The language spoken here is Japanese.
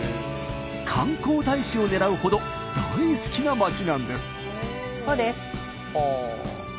観光大使を狙うほど大好きなまちなんです。